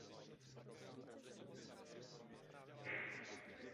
Je křesťan a praktikuje v chicagské "Trinity United Church of Christ".